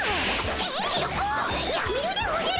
ヒヨコやめるでおじゃる！